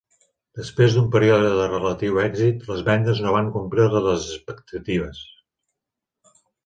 Després d'un període de relatiu èxit, les vendes no van complir les expectatives.